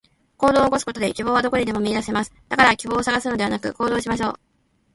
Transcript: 行動を起こすことで、希望はどこにでも見いだせます。だから希望を探すのではなく、行動しましょう。